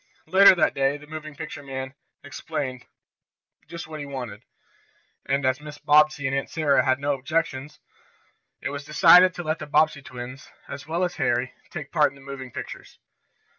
Later that day the moving picture man explained just what was wanted, and as Mrs. Bobbsey and Aunt Sarah had no objections, it was decided to let the Bobbsey twins, as well as Harry, take part in the moving pictures.